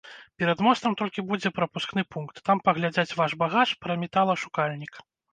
Перад мостам толькі будзе прапускны пункт, там паглядзяць ваш багаж пра металашукальнік.